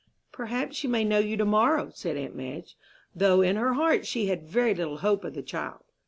"Perhaps she may know you to morrow," said aunt Madge; though in her heart she had very little hope of the child.